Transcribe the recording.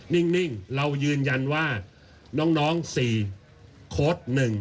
นิ่งเรายืนยันว่าน้อง๔โค้ด๑